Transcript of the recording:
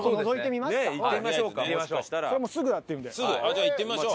じゃあ行ってみましょう。